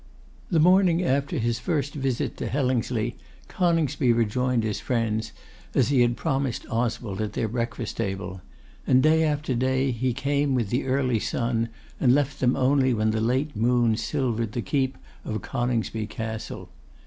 The morning after his first visit to Hellingsley Coningsby rejoined his friends, as he had promised Oswald at their breakfast table; and day after day he came with the early sun, and left them only when the late moon silvered the keep of Coningsby Castle.